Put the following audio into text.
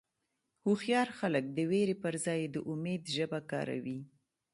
هوښیار خلک د وېرې پر ځای د امید ژبه کاروي.